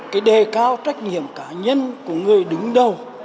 cái đề cao trách nhiệm cá nhân của người đứng đầu